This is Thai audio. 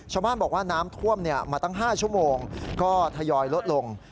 ชาวบ้านบอกว่าน้ำท่วมมาตั้ง๕ชั่วโมงก็ทยอยลดลง